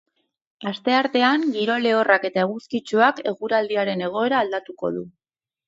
Asteartean, giro lehorrak eta eguzkitsuak eguraldiaren egoera aldatuko du.